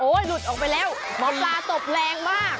หลุดออกไปแล้วหมอปลาตบแรงมาก